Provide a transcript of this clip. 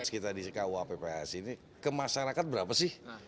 kita di kuapps ini ke masyarakat berapa sih